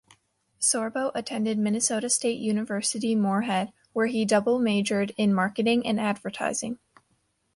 Sorbo attended Minnesota State University Moorhead, where he double majored in marketing and advertising.